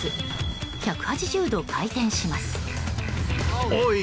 １８０度回転します。